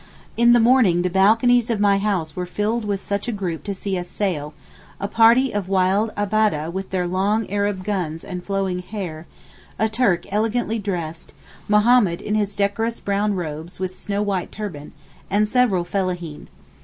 In the morning the balconies of my house were filled with such a group to see us sail—a party of wild Abab'deh with their long Arab guns and flowing hair, a Turk elegantly dressed, Mohammed in his decorous brown robes and snow white turban, and several fellaheen.